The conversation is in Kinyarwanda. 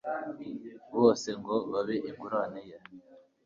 bose, ngo babe ingurane ye